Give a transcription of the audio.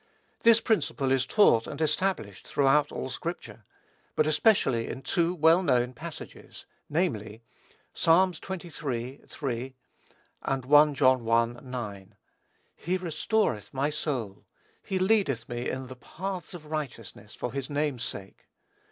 This principle is taught and established throughout all scripture; but especially in two well known passages, namely, Psalms xxiii. 3, and 1 John i. 9: "He restoreth my soul: he leadeth me in the paths of righteousness for his name's sake."